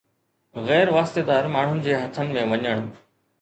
غير واسطيدار ماڻهن جي هٿن ۾ وڃڻ